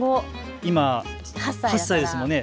今、８歳ですもんね。